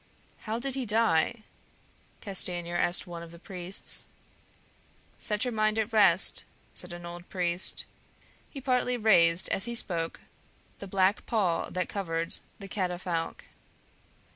"How did he die?" Castanier asked of one of the priests. "Set your mind at rest," said an old priest; he partly raised as he spoke the black pall that covered the catafalque.